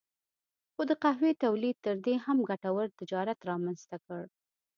خو د قهوې تولید تر دې هم ګټور تجارت رامنځته کړ.